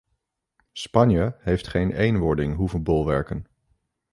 Spanje heeft geen eenwording hoeven bolwerken.